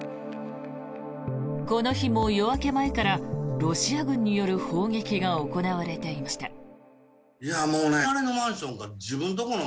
この日も夜明け前からロシア軍による砲撃が行われていました。